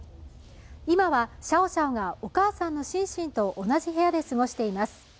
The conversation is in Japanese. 今はシャオシャオがお母さんのシンシンと同じ部屋で過ごしています。